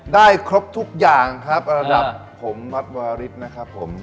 ได้ครบทุกอย่างครับระดับผมวัดวาริสนะครับผม